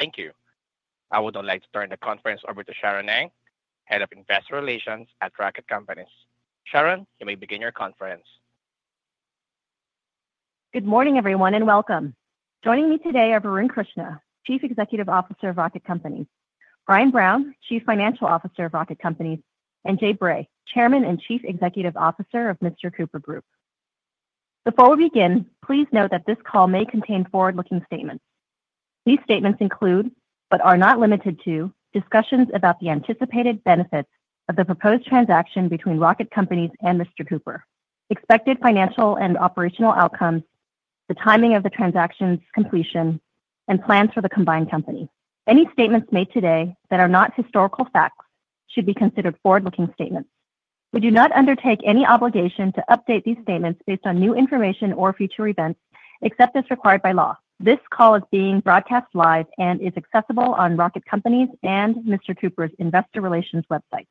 Thank you. I would now like to turn the conference over to Sharon Ng, Head of Investor Relations at Rocket Companies. Sharon, you may begin your conference. Good morning, everyone, and welcome. Joining me today are Varun Krishna, Chief Executive Officer of Rocket Companies, Brian Brown, Chief Financial Officer of Rocket Companies, and Jay Bray, Chairman and Chief Executive Officer of Mr. Cooper Group. Before we begin, please note that this call may contain forward-looking statements. These statements include, but are not limited to, discussions about the anticipated benefits of the proposed transaction between Rocket Companies and Mr. Cooper, expected financial and operational outcomes, the timing of the transaction's completion, and plans for the combined company. Any statements made today that are not historical facts should be considered forward-looking statements. We do not undertake any obligation to update these statements based on new information or future events, except as required by law. This call is being broadcast live and is accessible on Rocket Companies and Mr. Cooper's Investor Relations websites.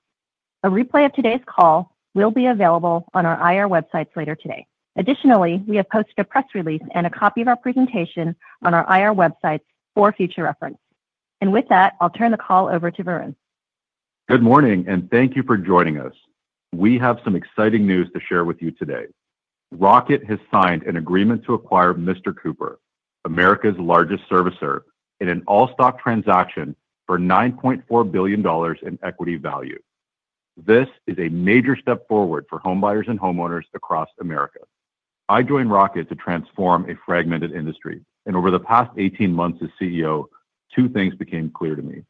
A replay of today's call will be available on our IR websites later today. Additionally, we have posted a press release and a copy of our presentation on our IR websites for future reference. With that, I'll turn the call over to Varun. Good morning, and thank you for joining us. We have some exciting news to share with you today. Rocket has signed an agreement to acquire Mr. Cooper, America's largest servicer, in an all-stock transaction for $9.4 billion in equity value. This is a major step forward for homebuyers and homeowners across America. I joined Rocket to transform a fragmented industry, and over the past 18 months as CEO, two things became clear to me.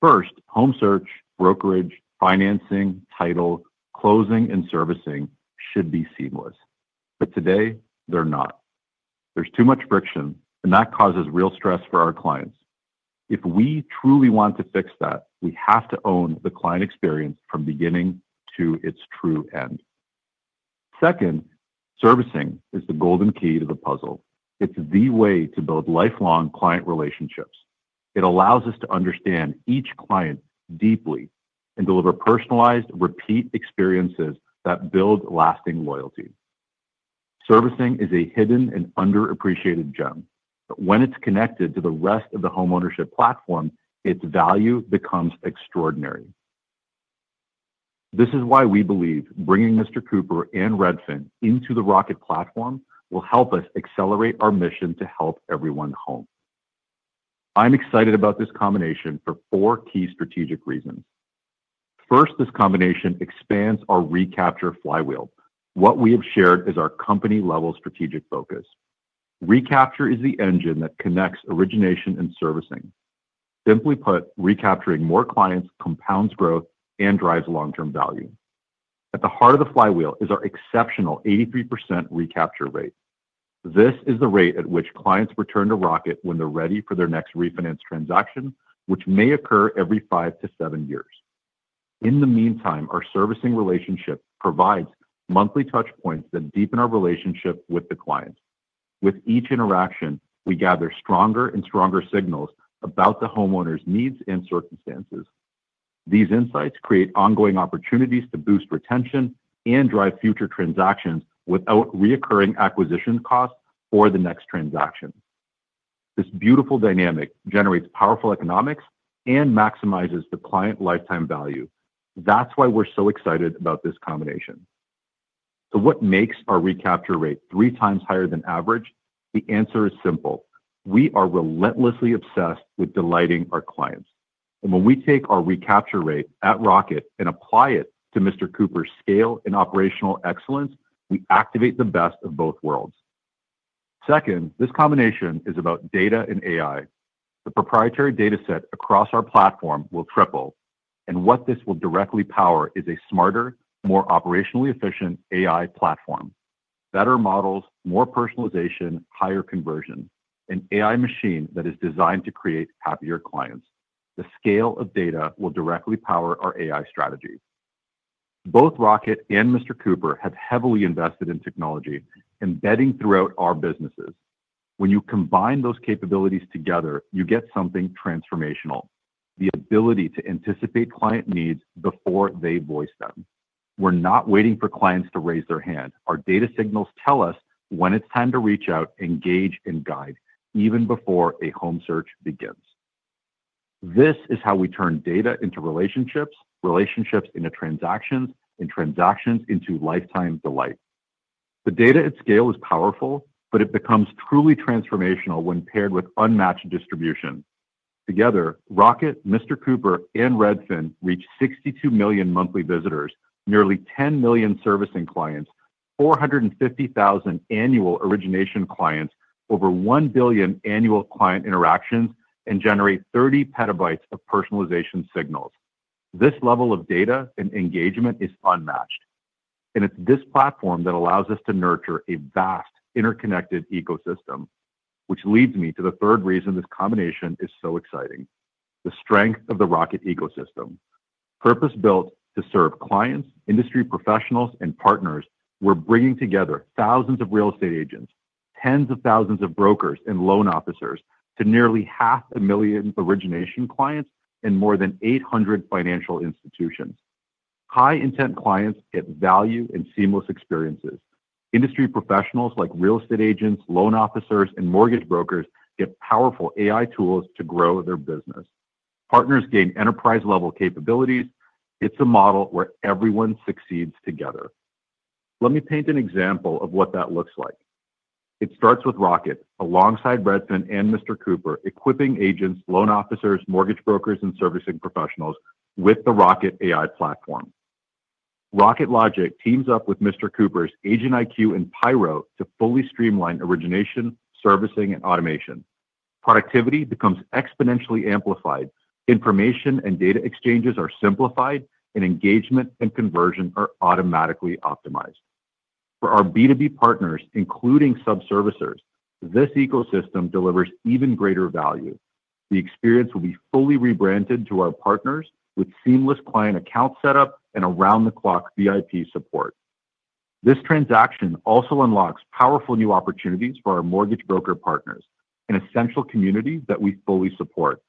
First, home search, brokerage, financing, title, closing, and servicing should be seamless. Today, they're not. There's too much friction, and that causes real stress for our clients. If we truly want to fix that, we have to own the client experience from beginning to its true end. Second, servicing is the golden key to the puzzle. It's the way to build lifelong client relationships. It allows us to understand each client deeply and deliver personalized, repeat experiences that build lasting loyalty. Servicing is a hidden and underappreciated gem, but when it's connected to the rest of the homeownership platform, its value becomes extraordinary. This is why we believe bringing Mr. Cooper and Redfin into the Rocket platform will help us accelerate our mission to help everyone home. I'm excited about this combination for four key strategic reasons. First, this combination expands our recapture flywheel. What we have shared is our company-level strategic focus. Recapture is the engine that connects origination and servicing. Simply put, recapturing more clients compounds growth and drives long-term value. At the heart of the flywheel is our exceptional 83% recapture rate. This is the rate at which clients return to Rocket when they're ready for their next refinance transaction, which may occur every five to seven years. In the meantime, our servicing relationship provides monthly touchpoints that deepen our relationship with the client. With each interaction, we gather stronger and stronger signals about the homeowner's needs and circumstances. These insights create ongoing opportunities to boost retention and drive future transactions without reoccurring acquisition costs for the next transaction. This beautiful dynamic generates powerful economics and maximizes the client lifetime value. That is why we are so excited about this combination. What makes our recapture rate three times higher than average? The answer is simple. We are relentlessly obsessed with delighting our clients. When we take our recapture rate at Rocket and apply it to Mr. Cooper's scale and operational excellence, we activate the best of both worlds. Second, this combination is about data and AI. The proprietary dataset across our platform will triple, and what this will directly power is a smarter, more operationally efficient AI platform. Better models, more personalization, higher conversion, an AI machine that is designed to create happier clients. The scale of data will directly power our AI strategy. Both Rocket and Mr. Cooper have heavily invested in technology, embedding throughout our businesses. When you combine those capabilities together, you get something transformational: the ability to anticipate client needs before they voice them. We're not waiting for clients to raise their hand. Our data signals tell us when it's time to reach out, engage, and guide, even before a home search begins. This is how we turn data into relationships, relationships into transactions, and transactions into lifetime delight. The data at scale is powerful, but it becomes truly transformational when paired with unmatched distribution. Together, Rocket, Mr. Cooper, and Redfin reach 62 million monthly visitors, nearly 10 million servicing clients, 450,000 annual origination clients, over 1 billion annual client interactions, and generate 30 petabytes of personalization signals. This level of data and engagement is unmatched. It is this platform that allows us to nurture a vast interconnected ecosystem, which leads me to the third reason this combination is so exciting: the strength of the Rocket ecosystem. Purpose-built to serve clients, industry professionals, and partners, we are bringing together thousands of real estate agents, tens of thousands of brokers, and loan officers to nearly half a million origination clients and more than 800 financial institutions. High-intent clients get value and seamless experiences. Industry professionals like real estate agents, loan officers, and mortgage brokers get powerful AI tools to grow their business. Partners gain enterprise-level capabilities. It is a model where everyone succeeds together. Let me paint an example of what that looks like. It starts with Rocket, alongside Redfin and Mr. Cooper, equipping agents, loan officers, mortgage brokers, and servicing professionals with the Rocket AI platform. Rocket Logic teams up with Mr. Cooper's Agent IQ and Pyro to fully streamline origination, servicing, and automation. Productivity becomes exponentially amplified. Information and data exchanges are simplified, and engagement and conversion are automatically optimized. For our B2B partners, including sub-servicers, this ecosystem delivers even greater value. The experience will be fully rebranded to our partners with seamless client account setup and around-the-clock VIP support. This transaction also unlocks powerful new opportunities for our mortgage broker partners, an essential community that we fully support.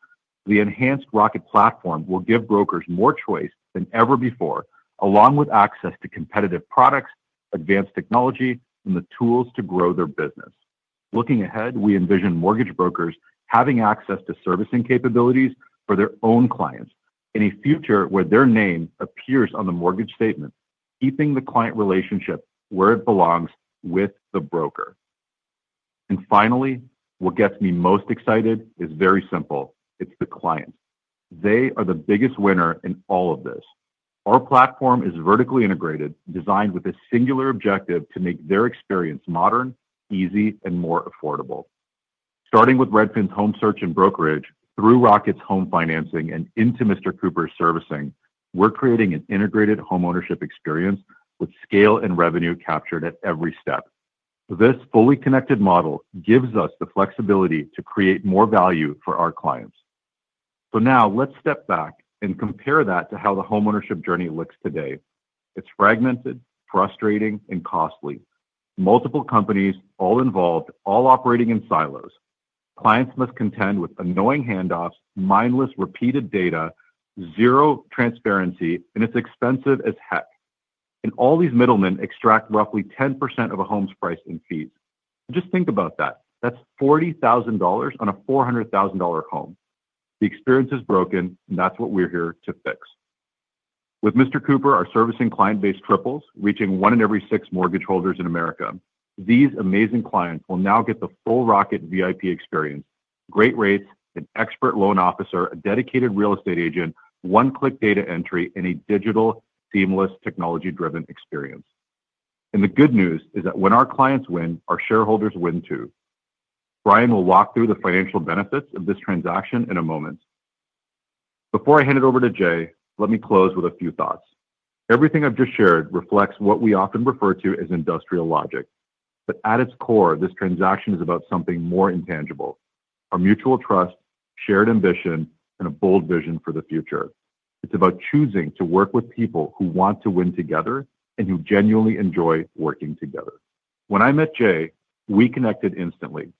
The enhanced Rocket platform will give brokers more choice than ever before, along with access to competitive products, advanced technology, and the tools to grow their business. Looking ahead, we envision mortgage brokers having access to servicing capabilities for their own clients in a future where their name appears on the mortgage statement, keeping the client relationship where it belongs with the broker. What gets me most excited is very simple. It's the client. They are the biggest winner in all of this. Our platform is vertically integrated, designed with a singular objective to make their experience modern, easy, and more affordable. Starting with Redfin's home search and brokerage, through Rocket's home financing, and into Mr. Cooper's servicing, we're creating an integrated homeownership experience with scale and revenue captured at every step. This fully connected model gives us the flexibility to create more value for our clients. Now let's step back and compare that to how the homeownership journey looks today. It's fragmented, frustrating, and costly. Multiple companies all involved, all operating in silos. Clients must contend with annoying handoffs, mindless repeated data, zero transparency, and it's expensive as heck. All these middlemen extract roughly 10% of a home's price in fees. Just think about that. That's $40,000 on a $400,000 home. The experience is broken, and that's what we're here to fix. With Mr. Cooper, our servicing client base triples, reaching one in every six mortgage holders in America. These amazing clients will now get the full Rocket VIP experience, great rates, an expert loan officer, a dedicated real estate agent, one-click data entry, and a digital, seamless, technology-driven experience. The good news is that when our clients win, our shareholders win too. Brian will walk through the financial benefits of this transaction in a moment. Before I hand it over to Jay, let me close with a few thoughts. Everything I've just shared reflects what we often refer to as industrial logic. At its core, this transaction is about something more intangible: our mutual trust, shared ambition, and a bold vision for the future. It's about choosing to work with people who want to win together and who genuinely enjoy working together. When I met Jay, we connected instantly.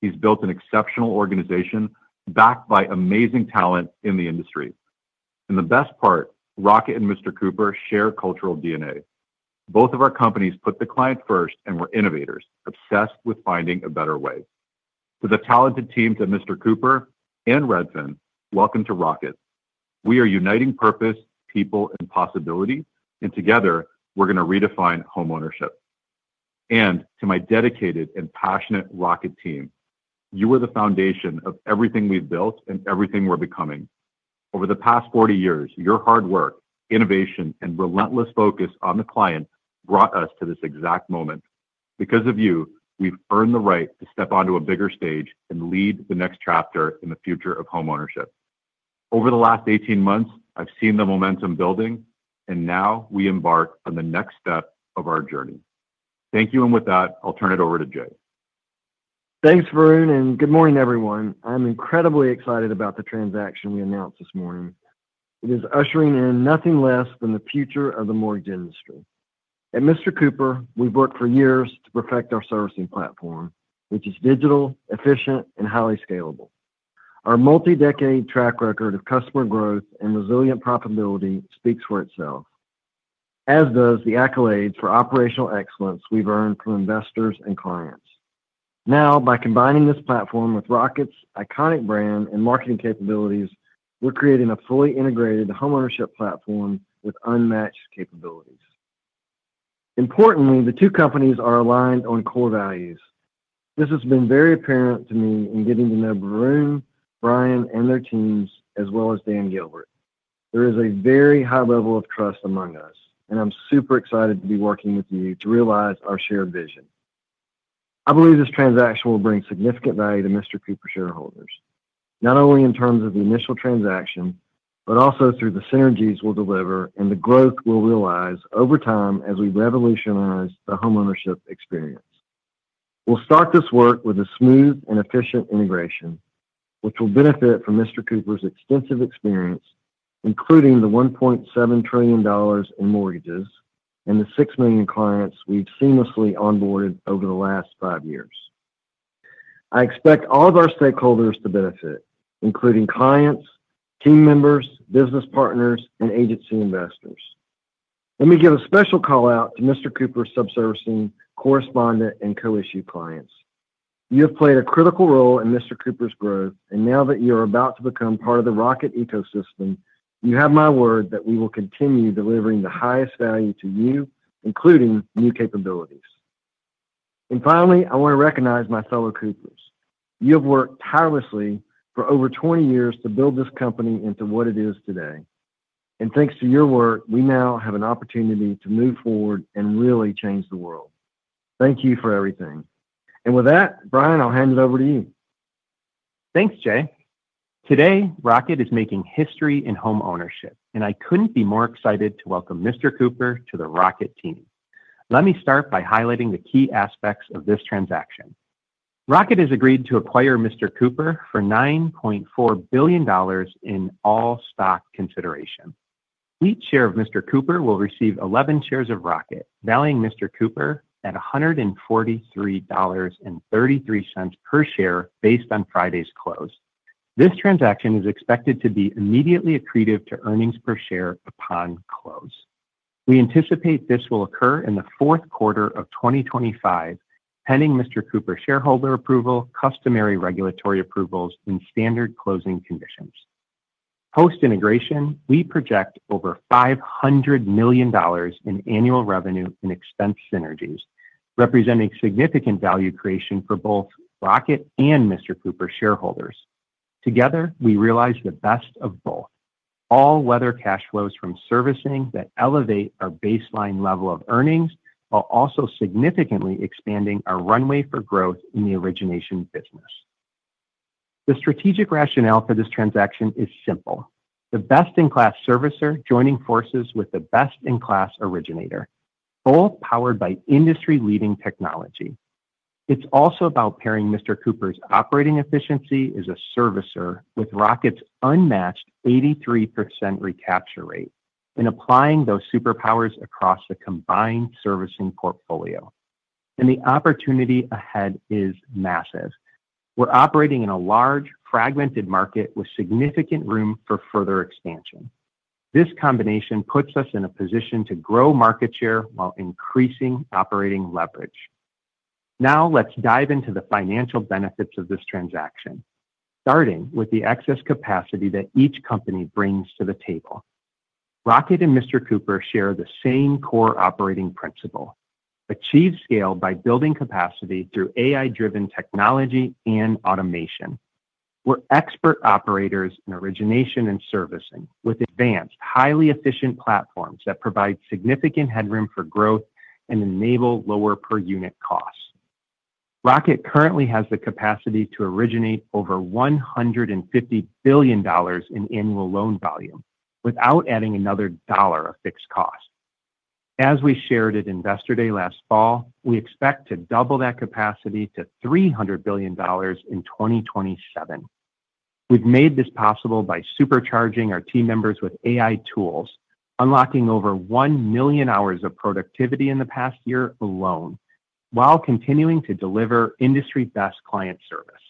He's built an exceptional organization backed by amazing talent in the industry. The best part, Rocket and Mr. Cooper share cultural DNA. Both of our companies put the client first, and we're innovators, obsessed with finding a better way. To the talented teams at Mr. Cooper and Redfin, welcome to Rocket. We are uniting purpose, people, and possibility, and together, we're going to redefine homeownership. To my dedicated and passionate Rocket team, you are the foundation of everything we've built and everything we're becoming. Over the past 40 years, your hard work, innovation, and relentless focus on the client brought us to this exact moment. Because of you, we've earned the right to step onto a bigger stage and lead the next chapter in the future of homeownership. Over the last 18 months, I've seen the momentum building, and now we embark on the next step of our journey. Thank you, and with that, I'll turn it over to Jay. Thanks, Varun, and good morning, everyone. I'm incredibly excited about the transaction we announced this morning. It is ushering in nothing less than the future of the mortgage industry. At Mr. Cooper, we've worked for years to perfect our servicing platform, which is digital, efficient, and highly scalable. Our multi-decade track record of customer growth and resilient profitability speaks for itself, as does the accolades for operational excellence we've earned from investors and clients. Now, by combining this platform with Rocket's iconic brand and marketing capabilities, we're creating a fully integrated homeownership platform with unmatched capabilities. Importantly, the two companies are aligned on core values. This has been very apparent to me in getting to know Varun, Brian, and their teams, as well as Dan Gilbert. There is a very high level of trust among us, and I'm super excited to be working with you to realize our shared vision. I believe this transaction will bring significant value to Mr. Cooper shareholders, not only in terms of the initial transaction, but also through the synergies we'll deliver and the growth we'll realize over time as we revolutionize the homeownership experience. We'll start this work with a smooth and efficient integration, which will benefit from Mr. Cooper's extensive experience, including the $1.7 trillion in mortgages and the 6 million clients we've seamlessly onboarded over the last five years. I expect all of our stakeholders to benefit, including clients, team members, business partners, and agency investors. Let me give a special call out to Mr. Cooper's sub-servicing, correspondent, and co-issue clients. You have played a critical role in Mr. Cooper's growth, and now that you are about to become part of the Rocket ecosystem, you have my word that we will continue delivering the highest value to you, including new capabilities. Finally, I want to recognize my fellow Coopers. You have worked tirelessly for over 20 years to build this company into what it is today. Thanks to your work, we now have an opportunity to move forward and really change the world. Thank you for everything. With that, Brian, I'll hand it over to you. Thanks, Jay. Today, Rocket is making history in homeownership, and I couldn't be more excited to welcome Mr. Cooper to the Rocket team. Let me start by highlighting the key aspects of this transaction. Rocket has agreed to acquire Mr. Cooper for $9.4 billion in all stock consideration. Each share of Mr. Cooper will receive 11 shares of Rocket, valuing Mr. Cooper at $143.33 per share based on Friday's close. This transaction is expected to be immediately accretive to earnings per share upon close. We anticipate this will occur in the fourth quarter of 2025, pending Mr. Cooper shareholder approval, customary regulatory approvals, and standard closing conditions. Post-integration, we project over $500 million in annual revenue and expense synergies, representing significant value creation for both Rocket and Mr. Cooper shareholders. Together, we realize the best of both: all-weather cash flows from servicing that elevate our baseline level of earnings while also significantly expanding our runway for growth in the origination business. The strategic rationale for this transaction is simple: the best-in-class servicer joining forces with the best-in-class originator, both powered by industry-leading technology. It is also about pairing Mr. Cooper's operating efficiency as a servicer with Rocket's unmatched 83% recapture rate and applying those superpowers across the combined servicing portfolio. The opportunity ahead is massive. We are operating in a large, fragmented market with significant room for further expansion. This combination puts us in a position to grow market share while increasing operating leverage. Now let's dive into the financial benefits of this transaction, starting with the excess capacity that each company brings to the table. Rocket and Mr. Cooper share the same core operating principle: achieve scale by building capacity through AI-driven technology and automation. We're expert operators in origination and servicing, with advanced, highly efficient platforms that provide significant headroom for growth and enable lower per-unit costs. Rocket currently has the capacity to originate over $150 billion in annual loan volume without adding another dollar of fixed cost. As we shared at Investor Day last fall, we expect to double that capacity to $300 billion in 2027. We've made this possible by supercharging our team members with AI tools, unlocking over 1 million hours of productivity in the past year alone, while continuing to deliver industry-best client service.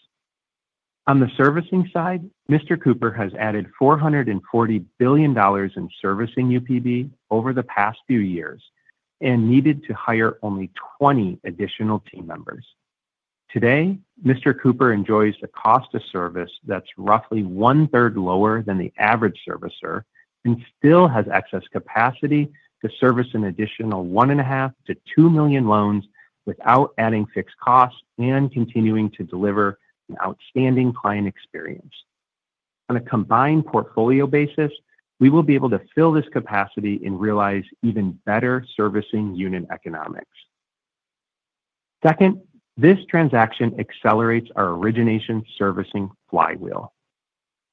On the servicing side, Mr. Cooper has added $440 billion in servicing UPB over the past few years and needed to hire only 20 additional team members. Today, Mr. Cooper enjoys a cost of service that is roughly one-third lower than the average servicer and still has excess capacity to service an additional 1.5-2 million loans without adding fixed costs and continuing to deliver an outstanding client experience. On a combined portfolio basis, we will be able to fill this capacity and realize even better servicing unit economics. Second, this transaction accelerates our origination servicing flywheel.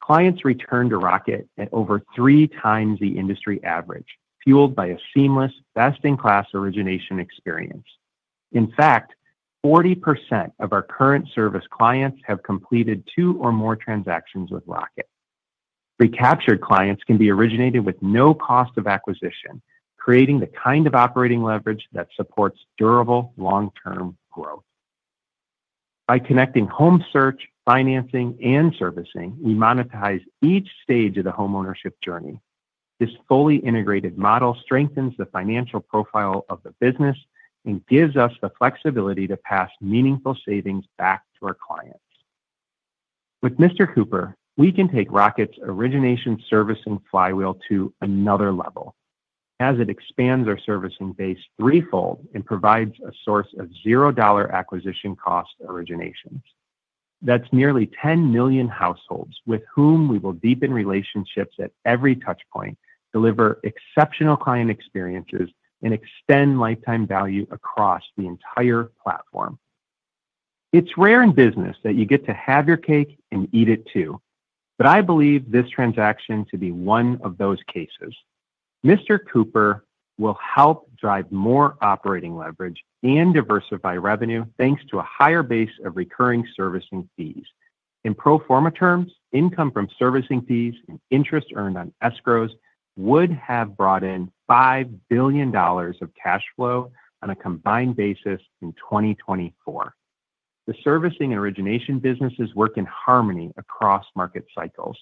Clients return to Rocket at over three times the industry average, fueled by a seamless, best-in-class origination experience. In fact, 40% of our current service clients have completed two or more transactions with Rocket. Recaptured clients can be originated with no cost of acquisition, creating the kind of operating leverage that supports durable, long-term growth. By connecting home search, financing, and servicing, we monetize each stage of the homeownership journey. This fully integrated model strengthens the financial profile of the business and gives us the flexibility to pass meaningful savings back to our clients. With Mr. Cooper, we can take Rocket's origination servicing flywheel to another level, as it expands our servicing base threefold and provides a source of $0 acquisition cost originations. That's nearly 10 million households with whom we will deepen relationships at every touchpoint, deliver exceptional client experiences, and extend lifetime value across the entire platform. It's rare in business that you get to have your cake and eat it too, but I believe this transaction to be one of those cases. Mr. Cooper will help drive more operating leverage and diversify revenue thanks to a higher base of recurring servicing fees. In pro forma terms, income from servicing fees and interest earned on escrows would have brought in $5 billion of cash flow on a combined basis in 2024. The servicing and origination businesses work in harmony across market cycles.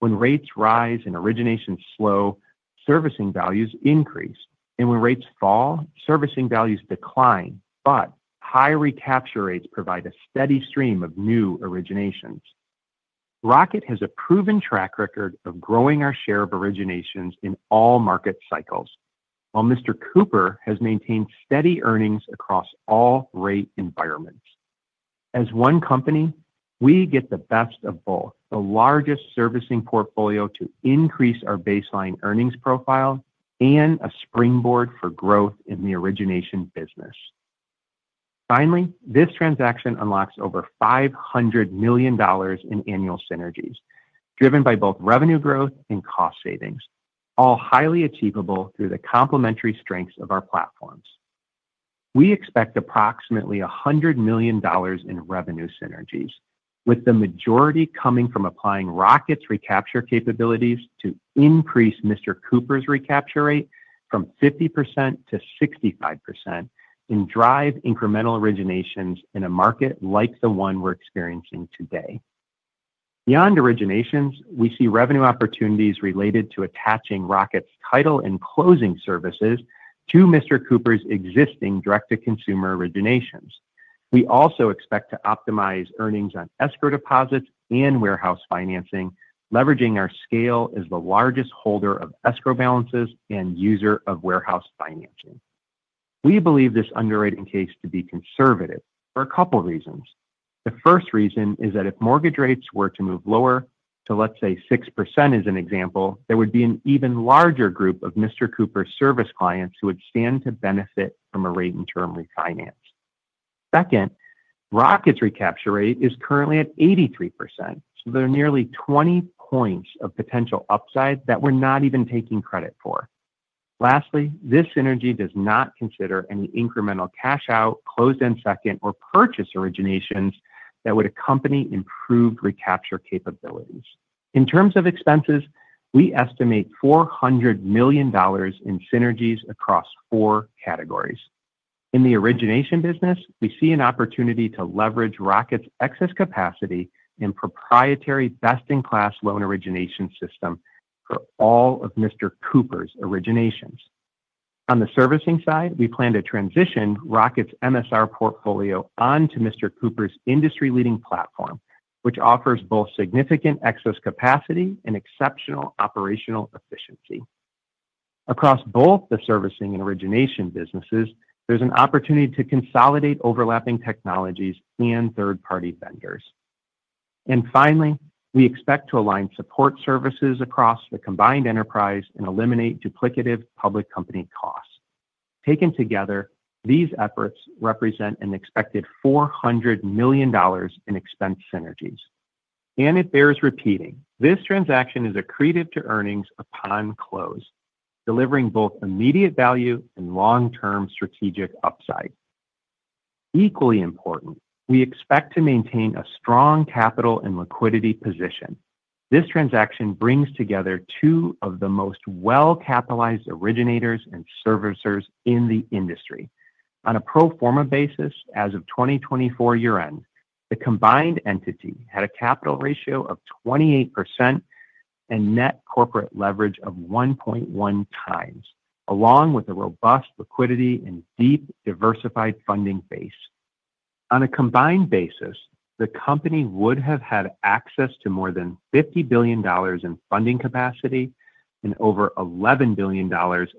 When rates rise and originations slow, servicing values increase. When rates fall, servicing values decline, but high recapture rates provide a steady stream of new originations. Rocket has a proven track record of growing our share of originations in all market cycles, while Mr. Cooper has maintained steady earnings across all rate environments. As one company, we get the best of both: the largest servicing portfolio to increase our baseline earnings profile and a springboard for growth in the origination business. Finally, this transaction unlocks over $500 million in annual synergies, driven by both revenue growth and cost savings, all highly achievable through the complementary strengths of our platforms. We expect approximately $100 million in revenue synergies, with the majority coming from applying Rocket's recapture capabilities to increase Mr. Cooper's recapture rate from 50% to 65% and drive incremental originations in a market like the one we're experiencing today. Beyond originations, we see revenue opportunities related to attaching Rocket's title and closing services to Mr. Cooper's existing direct-to-consumer originations. We also expect to optimize earnings on escrow deposits and warehouse financing, leveraging our scale as the largest holder of escrow balances and user of warehouse financing. We believe this underwriting case to be conservative for a couple of reasons. The first reason is that if mortgage rates were to move lower to, let's say, 6% as an example, there would be an even larger group of Mr. Cooper service clients who would stand to benefit from a rate-and-term refinance. Second, Rocket's recapture rate is currently at 83%, so there are nearly 20 percentage points of potential upside that we're not even taking credit for. Lastly, this synergy does not consider any incremental cash-out, closed-end second, or purchase originations that would accompany improved recapture capabilities. In terms of expenses, we estimate $400 million in synergies across four categories. In the origination business, we see an opportunity to leverage Rocket's excess capacity and proprietary best-in-class loan origination system for all of Mr. Cooper's originations. On the servicing side, we plan to transition Rocket's MSR portfolio onto Mr. Cooper's industry-leading platform, which offers both significant excess capacity and exceptional operational efficiency. Across both the servicing and origination businesses, there is an opportunity to consolidate overlapping technologies and third-party vendors. Finally, we expect to align support services across the combined enterprise and eliminate duplicative public company costs. Taken together, these efforts represent an expected $400 million in expense synergies. It bears repeating, this transaction is accretive to earnings upon close, delivering both immediate value and long-term strategic upside. Equally important, we expect to maintain a strong capital and liquidity position. This transaction brings together two of the most well-capitalized originators and servicers in the industry. On a pro forma basis, as of 2024 year-end, the combined entity had a capital ratio of 28% and net corporate leverage of 1.1 times, along with a robust liquidity and deep diversified funding base. On a combined basis, the company would have had access to more than $50 billion in funding capacity and over $11 billion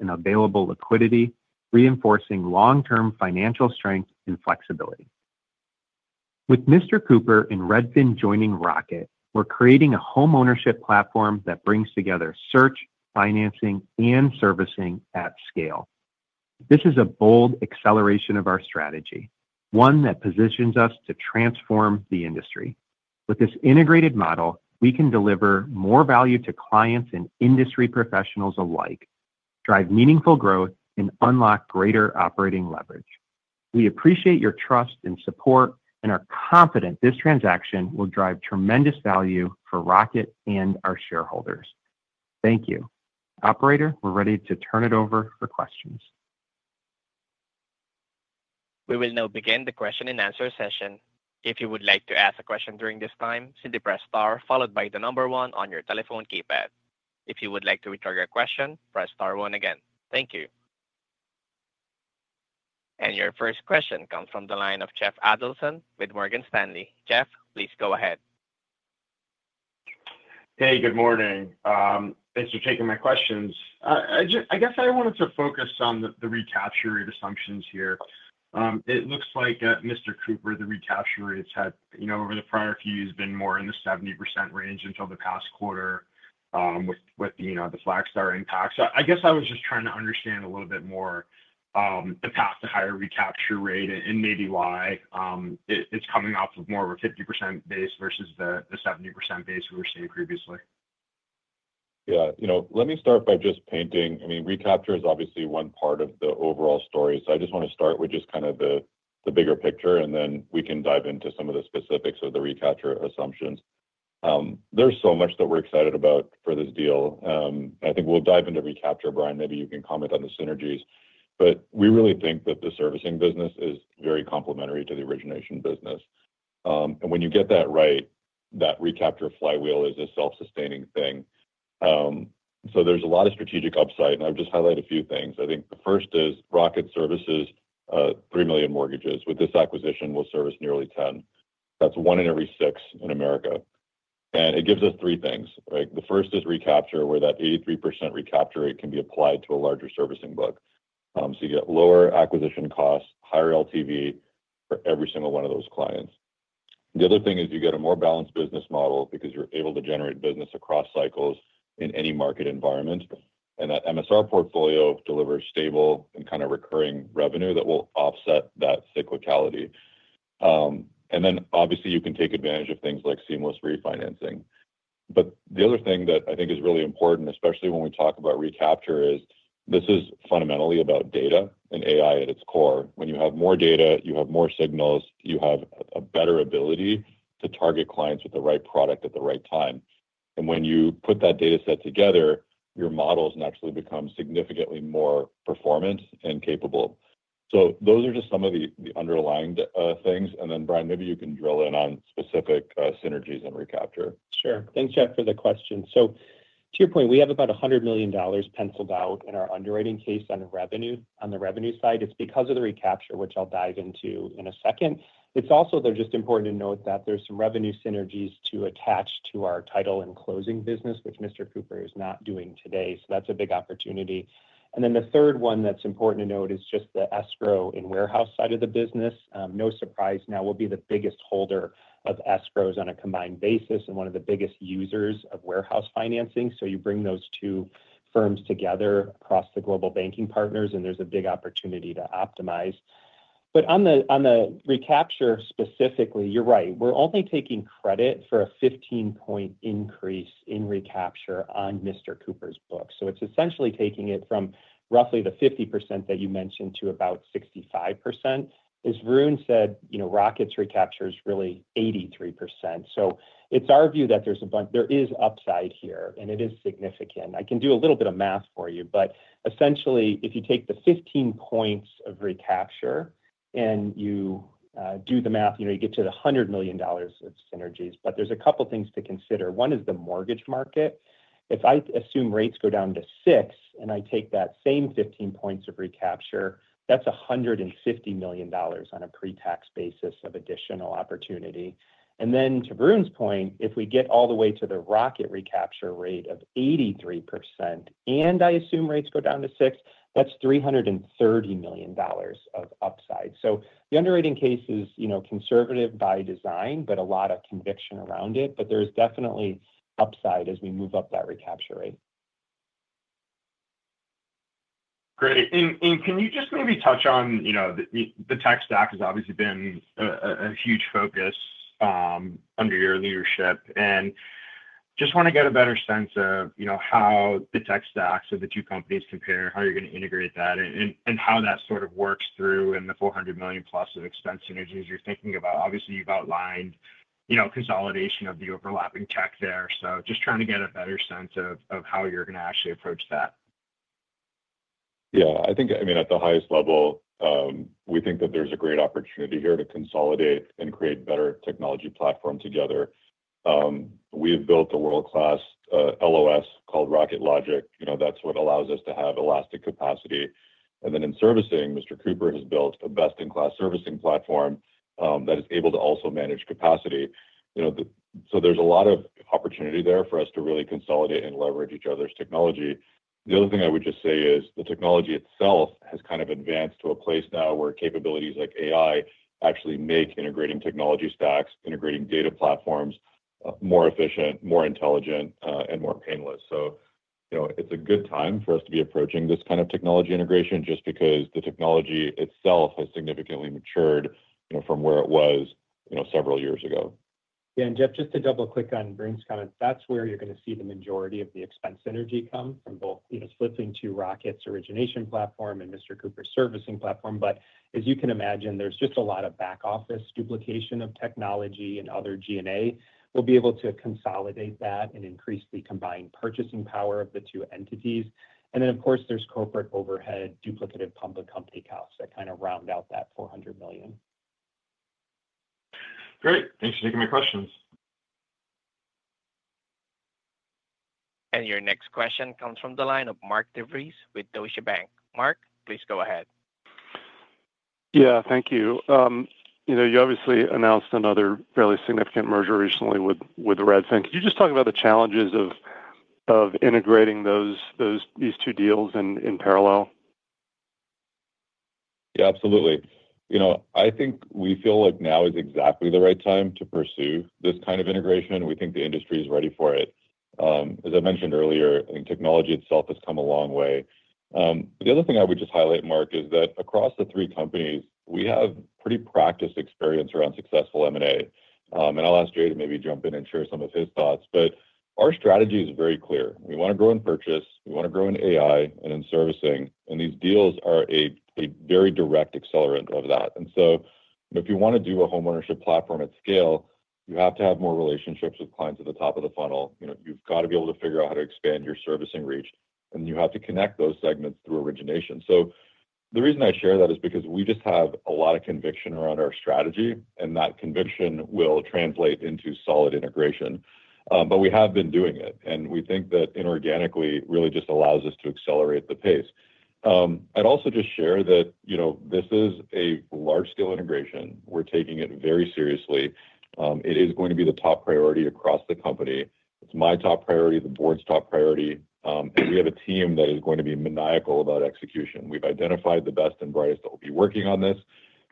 in available liquidity, reinforcing long-term financial strength and flexibility. With Mr. Cooper and Redfin joining Rocket, we're creating a homeownership platform that brings together search, financing, and servicing at scale. This is a bold acceleration of our strategy, one that positions us to transform the industry. With this integrated model, we can deliver more value to clients and industry professionals alike, drive meaningful growth, and unlock greater operating leverage. We appreciate your trust and support and are confident this transaction will drive tremendous value for Mr. Cooper and our shareholders. Thank you. Operator, we're ready to turn it over for questions. We will now begin the question and answer session. If you would like to ask a question during this time, simply press star followed by the number one on your telephone keypad. If you would like to withdraw your question, press star one again. Thank you. Your first question comes from the line of Jeff Adelson with Morgan Stanley. Jeff, please go ahead. Hey, good morning. Thanks for taking my questions. I guess I wanted to focus on the recapture rate assumptions here. It looks like Mr. Cooper, the recapture rates have over the prior few years been more in the 70% range until the past quarter with the Flagstar impact. I guess I was just trying to understand a little bit more the path to higher recapture rate and maybe why it's coming off of more of a 50% base versus the 70% base we were seeing previously. Yeah. Let me start by just painting, I mean, recapture is obviously one part of the overall story. I just want to start with just kind of the bigger picture, and then we can dive into some of the specifics of the recapture assumptions. There's so much that we're excited about for this deal. I think we'll dive into recapture, Brian. Maybe you can comment on the synergies. We really think that the servicing business is very complementary to the origination business. When you get that right, that recapture flywheel is a self-sustaining thing. There's a lot of strategic upside. I would just highlight a few things. I think the first is Rocket services 3 million mortgages. With this acquisition, we'll service nearly 10. That's one in every six in America. It gives us three things. The first is recapture, where that 83% recapture rate can be applied to a larger servicing book. You get lower acquisition costs, higher LTV for every single one of those clients. The other thing is you get a more balanced business model because you're able to generate business across cycles in any market environment. That MSR portfolio delivers stable and kind of recurring revenue that will offset that cyclicality. Obviously, you can take advantage of things like seamless refinancing. The other thing that I think is really important, especially when we talk about recapture, is this is fundamentally about data and AI at its core. When you have more data, you have more signals. You have a better ability to target clients with the right product at the right time. When you put that data set together, your models naturally become significantly more performant and capable. Those are just some of the underlying things. Brian, maybe you can drill in on specific synergies and recapture. Sure. Thanks, Jeff, for the question. To your point, we have about $100 million penciled out in our underwriting case on the revenue side. It's because of the recapture, which I'll dive into in a second. It's also just important to note that there's some revenue synergies to attach to our title and closing business, which Mr. Cooper is not doing today. That's a big opportunity. The third one that's important to note is just the escrow and warehouse side of the business. No surprise now, we'll be the biggest holder of escrows on a combined basis and one of the biggest users of warehouse financing. You bring those two firms together across the global banking partners, and there's a big opportunity to optimize. On the recapture specifically, you're right. We're only taking credit for a 15 percentage point increase in recapture on Mr. Cooper's book. It is essentially taking it from roughly the 50% that you mentioned to about 65%. As Varun said, Rocket's recapture is really 83%. It is our view that there is upside here, and it is significant. I can do a little bit of math for you. Essentially, if you take the 15 percentage points of recapture and you do the math, you get to the $100 million of synergies. There are a couple of things to consider. One is the mortgage market. If I assume rates go down to six and I take that same 15 percentage points of recapture, that is $150 million on a pre-tax basis of additional opportunity. To Varun's point, if we get all the way to the Rocket recapture rate of 83% and I assume rates go down to six, that is $330 million of upside. The underwriting case is conservative by design, but a lot of conviction around it. There is definitely upside as we move up that recapture rate. Great. Can you just maybe touch on the tech stack? It's obviously been a huge focus under your leadership. I just want to get a better sense of how the tech stacks of the two companies compare, how you're going to integrate that, and how that sort of works through in the $400 million-plus of expense synergies you're thinking about. Obviously, you've outlined consolidation of the overlapping tech there. I'm just trying to get a better sense of how you're going to actually approach that. Yeah. I think, I mean, at the highest level, we think that there's a great opportunity here to consolidate and create better technology platform together. We have built a world-class LOS called Rocket Logic. That's what allows us to have elastic capacity. In servicing, Mr. Cooper has built a best-in-class servicing platform that is able to also manage capacity. There is a lot of opportunity there for us to really consolidate and leverage each other's technology. The other thing I would just say is the technology itself has kind of advanced to a place now where capabilities like AI actually make integrating technology stacks, integrating data platforms more efficient, more intelligent, and more painless. It is a good time for us to be approaching this kind of technology integration just because the technology itself has significantly matured from where it was several years ago. Yeah. Jeff, just to double-click on Varun's comments, that's where you're going to see the majority of the expense synergy come from both flipping to Rocket's origination platform and Mr. Cooper's servicing platform. As you can imagine, there's just a lot of back-office duplication of technology and other G&A. We'll be able to consolidate that and increase the combined purchasing power of the two entities. Of course, there's corporate overhead duplicative public company costs that kind of round out that $400 million. Great. Thanks for taking my questions. Your next question comes from the line of Mark DeVries with Deutsche Bank. Mark, please go ahead. Yeah. Thank you. You obviously announced another fairly significant merger recently with Redfin. Could you just talk about the challenges of integrating these two deals in parallel? Yeah, absolutely. I think we feel like now is exactly the right time to pursue this kind of integration. We think the industry is ready for it. As I mentioned earlier, I think technology itself has come a long way. The other thing I would just highlight, Mark, is that across the three companies, we have pretty practiced experience around successful M&A. I will ask Jay to maybe jump in and share some of his thoughts. Our strategy is very clear. We want to grow in purchase. We want to grow in AI and in servicing. These deals are a very direct accelerant of that. If you want to do a homeownership platform at scale, you have to have more relationships with clients at the top of the funnel. You have got to be able to figure out how to expand your servicing reach. You have to connect those segments through origination. The reason I share that is because we just have a lot of conviction around our strategy. That conviction will translate into solid integration. We have been doing it. We think that inorganically really just allows us to accelerate the pace. I'd also just share that this is a large-scale integration. We're taking it very seriously. It is going to be the top priority across the company. It's my top priority, the board's top priority. We have a team that is going to be maniacal about execution. We've identified the best and brightest that will be working on this.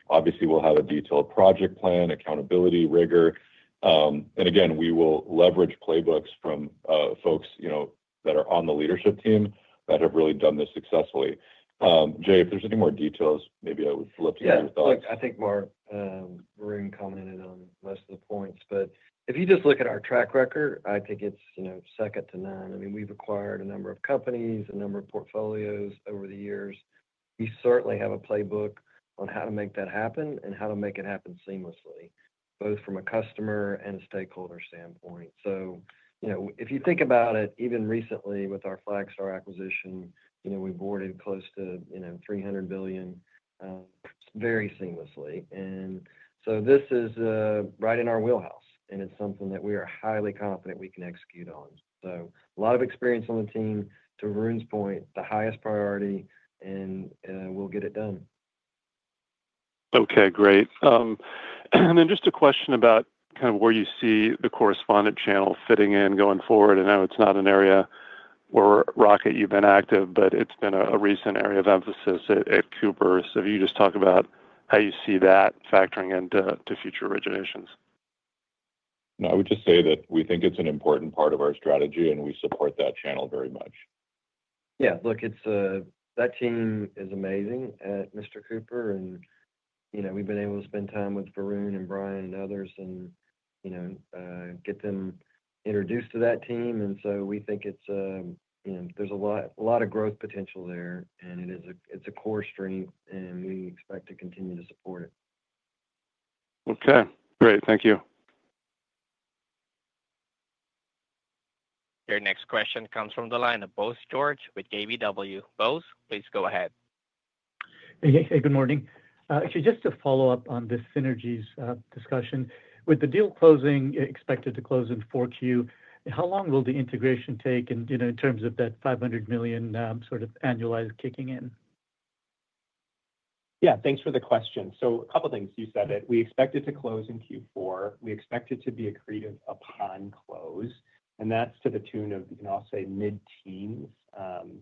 Obviously, we'll have a detailed project plan, accountability, rigor. Again, we will leverage playbooks from folks that are on the leadership team that have really done this successfully. Jay, if there's any more details, maybe I would flip to your thoughts. Yeah. I think Mark Varun commented on most of the points. But if you just look at our track record, I think it's second to none. I mean, we've acquired a number of companies, a number of portfolios over the years. We certainly have a playbook on how to make that happen and how to make it happen seamlessly, both from a customer and a stakeholder standpoint. If you think about it, even recently with our Flagstar acquisition, we boarded close to $300 billion very seamlessly. This is right in our wheelhouse. It's something that we are highly confident we can execute on. A lot of experience on the team. To Varun's point, the highest priority, and we'll get it done. Okay. Great. Just a question about kind of where you see the correspondent channel fitting in going forward. I know it's not an area where Rocket you've been active, but it's been a recent area of emphasis at Cooper. If you just talk about how you see that factoring into future originations. I would just say that we think it's an important part of our strategy, and we support that channel very much. Yeah. Look, that team is amazing at Mr. Cooper. We've been able to spend time with Varun and Brian and others and get them introduced to that team. We think there's a lot of growth potential there. It's a core strength, and we expect to continue to support it. Okay. Great. Thank you. Your next question comes from the line of Bose George with KBW. Bose, please go ahead. Hey, good morning. Actually, just to follow up on this synergies discussion. With the deal closing expected to close in 4Q, how long will the integration take in terms of that $500 million sort of annualized kicking in? Yeah. Thanks for the question. A couple of things. You said it. We expect it to close in Q4. We expect it to be accretive upon close. That's to the tune of, I'll say, mid-teens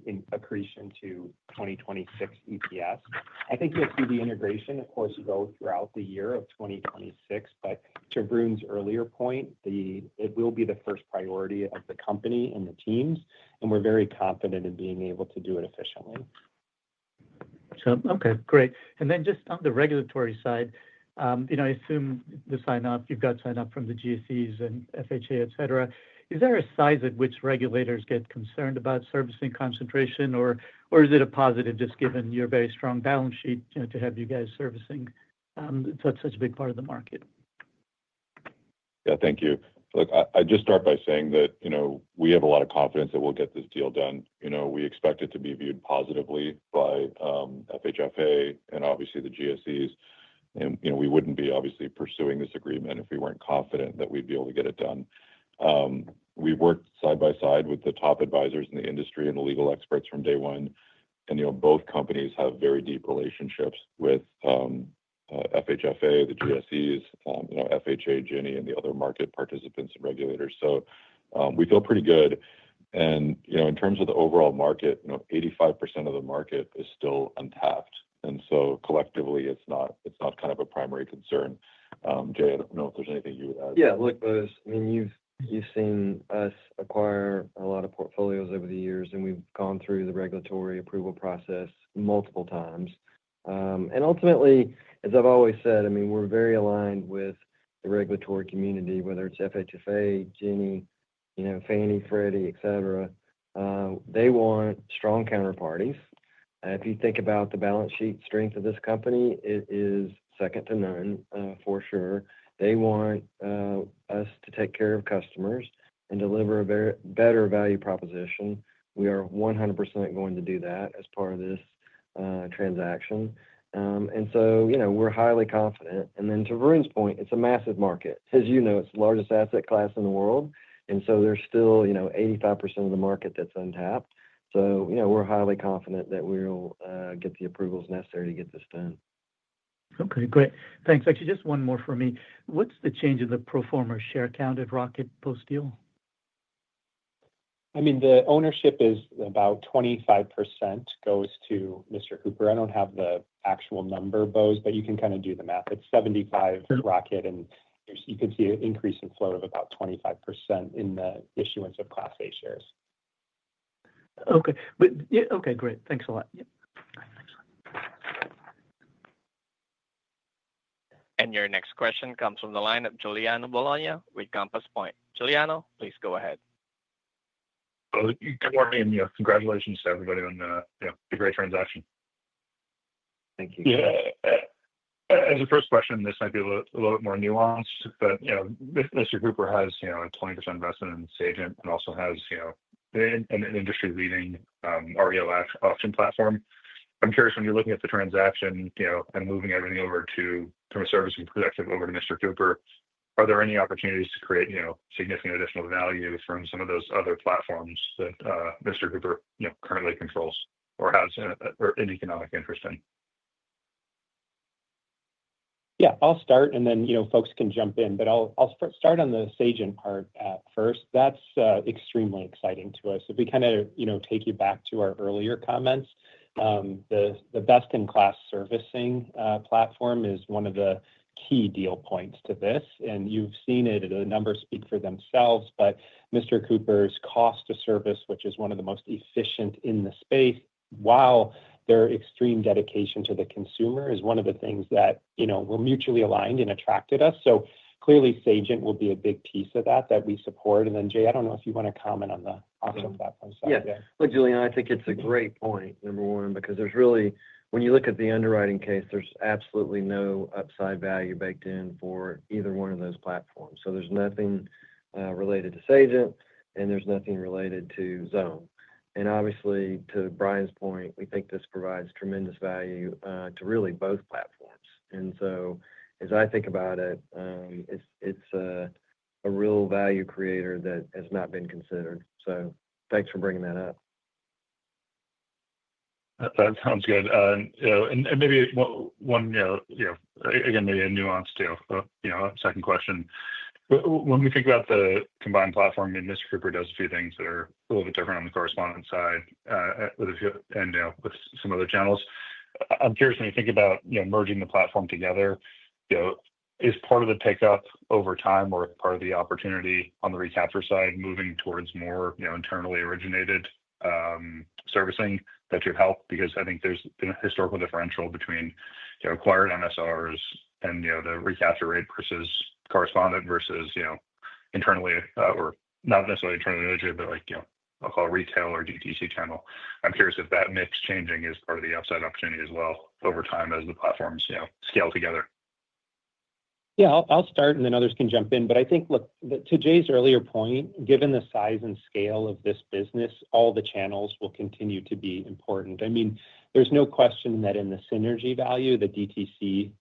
in accretion to 2026 EPS. I think you'll see the integration, of course, go throughout the year of 2026. To Varun's earlier point, it will be the first priority of the company and the teams. We're very confident in being able to do it efficiently. Okay. Great. And then just on the regulatory side, I assume the sign-off, you've got sign-off from the GSEs and FHA, etc. Is there a size at which regulators get concerned about servicing concentration, or is it a positive just given your very strong balance sheet to have you guys servicing such a big part of the market? Yeah. Thank you. Look, I'd just start by saying that we have a lot of confidence that we'll get this deal done. We expect it to be viewed positively by FHFA and obviously the GSEs. We wouldn't be obviously pursuing this agreement if we weren't confident that we'd be able to get it done. We've worked side by side with the top advisors in the industry and the legal experts from day one. Both companies have very deep relationships with FHFA, the GSEs, FHA, Ginnie Mae, and the other market participants and regulators. We feel pretty good. In terms of the overall market, 85% of the market is still untapped. Collectively, it's not kind of a primary concern. Jay, I don't know if there's anything you would add. Yeah. Look, I mean, you've seen us acquire a lot of portfolios over the years. And we've gone through the regulatory approval process multiple times. Ultimately, as I've always said, I mean, we're very aligned with the regulatory community, whether it's FHFA, Ginnie, Fannie, Freddie, etc. They want strong counterparties. If you think about the balance sheet strength of this company, it is second to none, for sure. They want us to take care of customers and deliver a better value proposition. We are 100% going to do that as part of this transaction. We are highly confident. Then to Varun's point, it's a massive market. As you know, it's the largest asset class in the world. There is still 85% of the market that's untapped. We are highly confident that we'll get the approvals necessary to get this done. Okay. Great. Thanks. Actually, just one more from me. What's the change in the pro forma share count at Rocket post-deal? I mean, the ownership is about 25% goes to Mr. Cooper. I don't have the actual number, Bose, but you can kind of do the math. It's 75% Rocket. And you could see an increase in flow of about 25% in the issuance of Class A shares. Okay. Okay. Great. Thanks a lot. Your next question comes from the line of Giuliano Bologna with Compass Point. Giuliano, please go ahead. Good morning. Congratulations to everybody on the great transaction. Thank you. Yeah. As a first question, this might be a little bit more nuanced. Mr. Cooper has a 20% investment in Sagent and also has an industry-leading REO auction platform. I'm curious, when you're looking at the transaction and moving everything over to a service and protective over to Mr. Cooper, are there any opportunities to create significant additional value from some of those other platforms that Mr. Cooper currently controls or has an economic interest in? Yeah. I'll start. And then folks can jump in. I'll start on the Sagent part first. That's extremely exciting to us. If we kind of take you back to our earlier comments, the best-in-class servicing platform is one of the key deal points to this. You've seen it. The numbers speak for themselves. Mr. Cooper's cost to service, which is one of the most efficient in the space, while their extreme dedication to the consumer is one of the things that were mutually aligned and attracted us. Clearly, Sagent will be a big piece of that that we support. Jay, I don't know if you want to comment on the auction platform side. Yeah. Giuliano, I think it's a great point, number one, because there's really when you look at the underwriting case, there's absolutely no upside value baked in for either one of those platforms. There's nothing related to Sagent. There's nothing related to Xome. Obviously, to Brian's point, we think this provides tremendous value to really both platforms. As I think about it, it's a real value creator that has not been considered. Thanks for bringing that up. That sounds good. Maybe one, again, maybe a nuance to a second question. When we think about the combined platform, I mean, Mr. Cooper does a few things that are a little bit different on the correspondent side and with some other channels. I'm curious, when you think about merging the platform together, is part of the pickup over time or part of the opportunity on the recapture side moving towards more internally originated servicing that you'd help? I think there's been a historical differential between acquired MSRs and the recapture rate versus correspondent versus internally or not necessarily internally originated, but I'll call it retail or DTC channel. I'm curious if that mix changing is part of the upside opportunity as well over time as the platforms scale together. Yeah. I'll start. Others can jump in. I think, look, to Jay's earlier point, given the size and scale of this business, all the channels will continue to be important. I mean, there's no question that in the synergy value, the DTC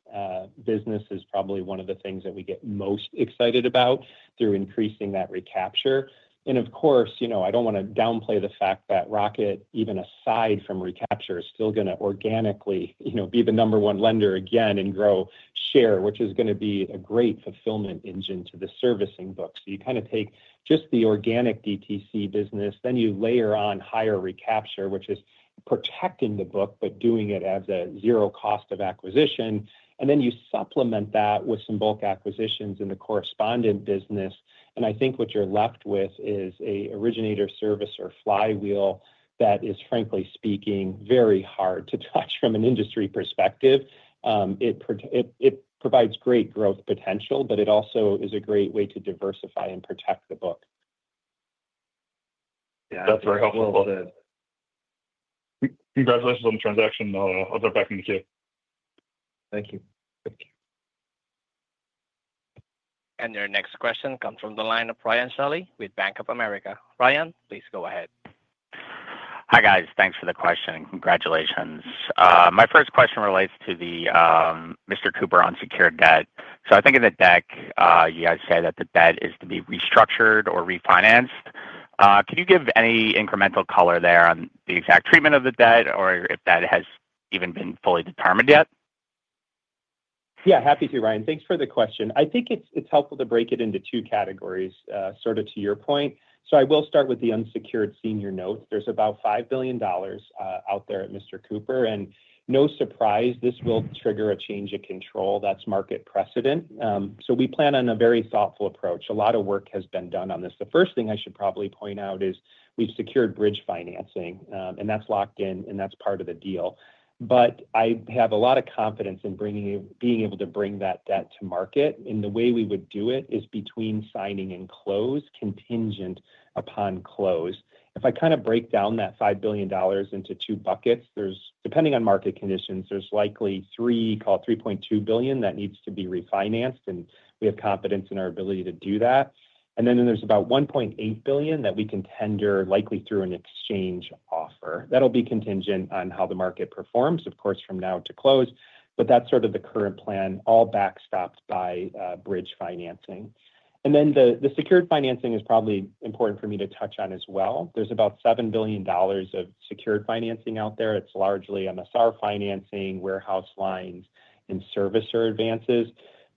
business is probably one of the things that we get most excited about through increasing that recapture. Of course, I don't want to downplay the fact that Rocket, even aside from recapture, is still going to organically be the number one lender again and grow share, which is going to be a great fulfillment engine to the servicing book. You kind of take just the organic DTC business, then you layer on higher recapture, which is protecting the book but doing it as a zero cost of acquisition. You supplement that with some bulk acquisitions in the correspondent business. I think what you're left with is an originator servicer flywheel that is, frankly speaking, very hard to touch from an industry perspective. It provides great growth potential, but it also is a great way to diversify and protect the book. Yeah. That's very helpful. Congratulations on the transaction. I'll jump back in the queue. Thank you. Thank you. Your next question comes from the line of Bryan Shelley with Bank of America. Brian, please go ahead. Hi guys. Thanks for the question. Congratulations. My first question relates to Mr. Cooper on secured debt. I think in the deck, you guys say that the debt is to be restructured or refinanced. Could you give any incremental color there on the exact treatment of the debt or if that has even been fully determined yet? Yeah. Happy to, Bryan. Thanks for the question. I think it's helpful to break it into two categories sort of to your point. I will start with the unsecured senior note. There's about $5 billion out there at Mr. Cooper. No surprise, this will trigger a change of control. That's market precedent. We plan on a very thoughtful approach. A lot of work has been done on this. The first thing I should probably point out is we've secured bridge financing. That's locked in. That's part of the deal. I have a lot of confidence in being able to bring that debt to market. The way we would do it is between signing and close, contingent upon close. If I kind of break down that $5 billion into two buckets, depending on market conditions, there's likely $3.2 billion that needs to be refinanced. We have confidence in our ability to do that. There is about $1.8 billion that we can tender likely through an exchange offer. That will be contingent on how the market performs, of course, from now to close. That is sort of the current plan, all backstopped by bridge financing. The secured financing is probably important for me to touch on as well. There is about $7 billion of secured financing out there. It is largely MSR financing, warehouse lines, and servicer advances.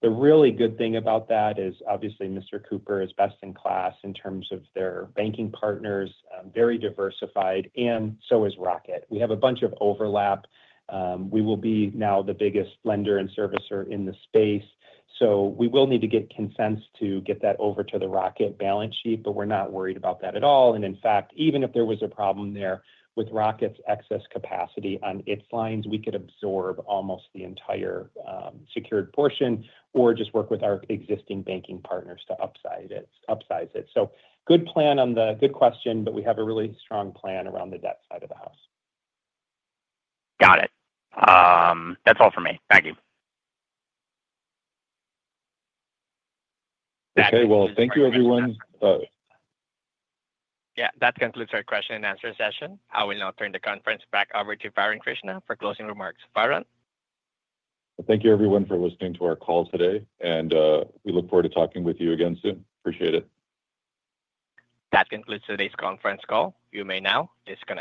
The really good thing about that is, obviously, Mr. Cooper is best in class in terms of their banking partners, very diversified, and so is Rocket. We have a bunch of overlap. We will be now the biggest lender and servicer in the space. We will need to get consents to get that over to the Rocket balance sheet. We're not worried about that at all. In fact, even if there was a problem there with Rocket's excess capacity on its lines, we could absorb almost the entire secured portion or just work with our existing banking partners to upsize it. Good plan on the good question, but we have a really strong plan around the debt side of the house. Got it. That's all for me. Thank you. Okay. Thank you, everyone. Yeah. That concludes our question and answer session. I will now turn the conference back over to Varun Krishna for closing remarks. Varun. Thank you, everyone, for listening to our call today. We look forward to talking with you again soon. Appreciate it. That concludes today's conference call. You may now disconnect.